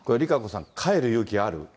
ＲＩＫＡＣＯさん、帰る勇気ある？